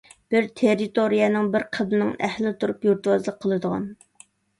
بىر تېررىتورىيەنىڭ، بىر قىبلىنىڭ ئەھلى تۇرۇپ يۇرتۋازلىق قىلىدىغان.